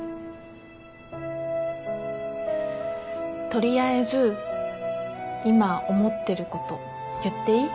とりあえず今思ってること言っていい？